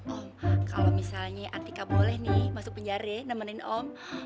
oh kalo misalnya antika boleh nih masuk penjara nemenin om